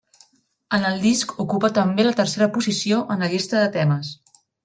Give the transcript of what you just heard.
En el disc ocupa també la tercera posició en la llista de temes.